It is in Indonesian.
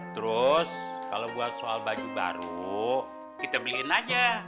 terus kalau buat soal baju baru kita beliin aja